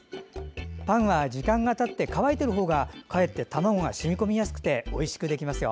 パンは時間がたって乾いているほうがかえって卵が染み込みやすくておいしくできますよ。